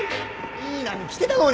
いい波きてたのに。